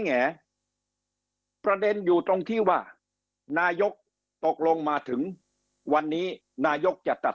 แหงประเด็นอยู่ตรงที่ว่านายกตกลงมาถึงวันนี้นายกจะตัด